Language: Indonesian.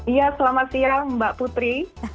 iya selamat siang mbak putri